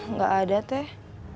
nggak ada teh